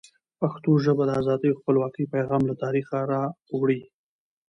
پښتو ژبه د ازادۍ او خپلواکۍ پیغام له تاریخه را وړي.